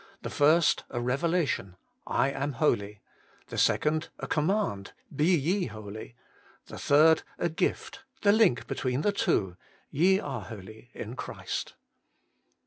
The first a revelation, ' I am 24 HOLT IN CHRIST. holy;' the second a command, ' Be, ye, holy;' the third a gift, the link between the two, ' Ye are holy in Christ.'